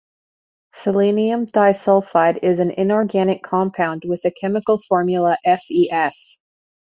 Selenium disulfide is an inorganic compound with the chemical formula SeS.